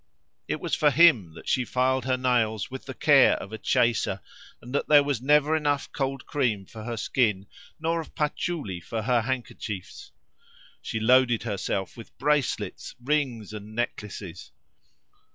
It was for him that she filed her nails with the care of a chaser, and that there was never enough cold cream for her skin, nor of patchouli for her handkerchiefs. She loaded herself with bracelets, rings, and necklaces.